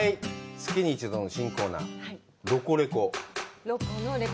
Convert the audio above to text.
月に一度の新コーナー、「ロコレコ！」。